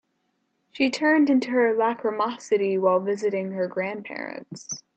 She turned into her lachrymosity while visiting her grandparents.